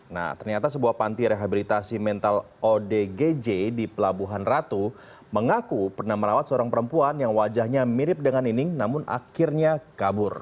nah ternyata sebuah panti rehabilitasi mental odgj di pelabuhan ratu mengaku pernah merawat seorang perempuan yang wajahnya mirip dengan nining namun akhirnya kabur